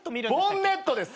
ボンネットです。